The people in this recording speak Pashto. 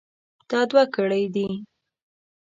دا دوه ګړۍ دي.